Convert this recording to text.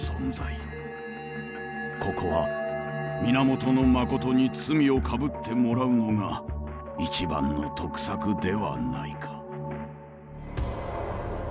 ここは源信に罪をかぶってもらうのが一番の得策ではないか？